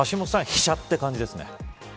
飛車って感じですね。